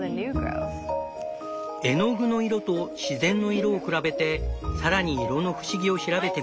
絵の具の色と自然の色を比べてさらに色の不思議を調べてみる。